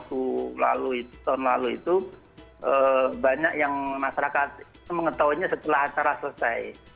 tahun lalu tahun lalu itu banyak yang masyarakat mengetahuinya setelah acara selesai